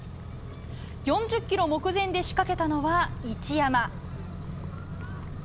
４０ｋｍ目前で仕掛けたのは一山。